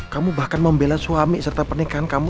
kamu bahkan membela suami serta pernikahan kamu